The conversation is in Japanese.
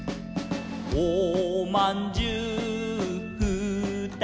「おまんじゅうふーたつ」